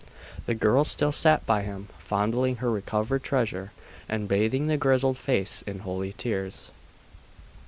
The girl still sat by him, fondling her recovered treasure, and bathing the grizzled face in holy tears.